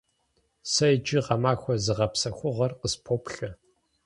Сэ иджы гъэмахуэ зыгъэпсэхугъуэр къыспоплъэ.